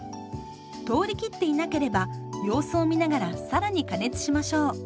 通りきっていなければ様子を見ながら更に加熱しましょう。